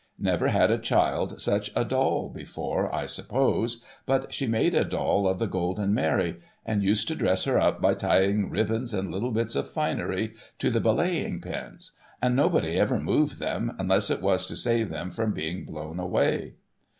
Never had a child such a doll before, I sup pose ; but she made a doll of the Golden Mary, and used to dress her up by tying ribbons and little bits of finery to the belaying pins ; and nobody ever moved them, unless it was to save them from being blown away.